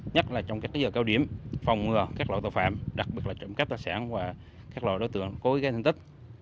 nhất là trong các giờ cao điểm phòng ngừa các loại tội phạm đặc biệt là trộm cắp tài sản và các loại đối tượng cố ý gây thương tích